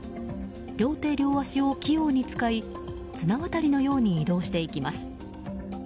両手両足を器用に使い綱渡りのように移動していきます。